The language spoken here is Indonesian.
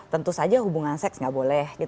tentu saja hubungan seks nggak boleh